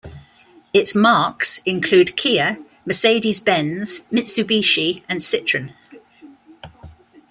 Its marques include Kia, Mercedes-Benz, Mitsubishi and Citroen.